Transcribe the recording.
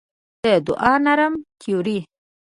د دوعا نرم توري